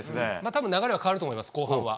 たぶん、流れは変わると思います、後半は。